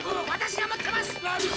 私が持ってます！